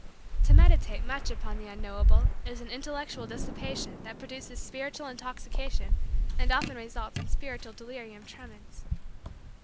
To meditate much upon the unknowable is an intellectual dissipation that produces spiritual intoxication and often results in spiritual delirium tremens.